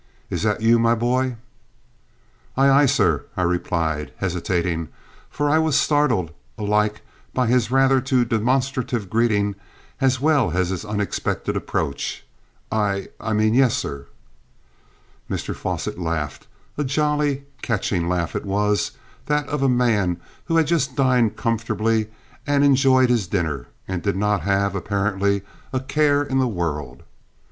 "Is that you, my boy?" "Aye, aye, sir," I replied, hesitating, for I was startled, alike by his rather too demonstrative greeting as well as his unexpected approach. "I I mean, yes, sir." Mr Fosset laughed; a jolly, catching laugh it was that of a man who had just dined comfortably and enjoyed his dinner, and did not have, apparently, a care in the world.